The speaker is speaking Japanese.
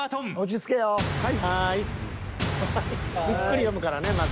ゆっくり読むからね。